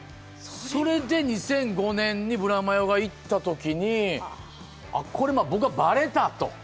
それで２００５年にブラマヨが行ったときに、これ、僕はばれたと。